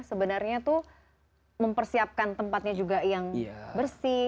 sebenarnya tuh mempersiapkan tempatnya juga yang bersih